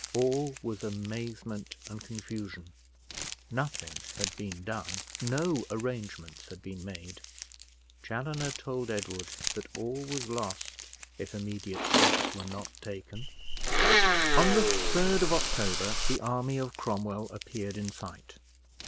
All was amazement and confusion nothing had been done no arrangements had been made Chaloner told Edward that all was lost if immediate steps were not taken. On the 3d of October, the army of Cromwell appeared in sight.